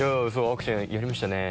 アクションやりましたね。